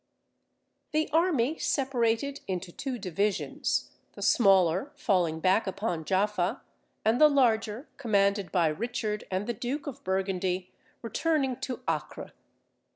The army separated into two divisions, the smaller falling back upon Jaffa, and the larger, commanded by Richard and the Duke of Burgundy, returning to Acre.